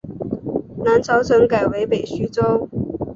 南朝陈改为北徐州。